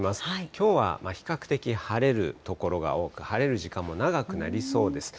きょうは比較的、晴れる所が多く、晴れる時間も長くなりそうです。